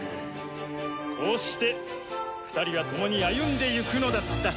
こうして２人は共に歩んでゆくのだった。